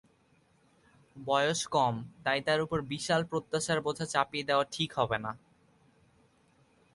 বয়স কম, তাই তাঁর ওপর বিশাল প্রত্যাশার বোঝা চাপিয়ে দেওয়া ঠিক হবে না।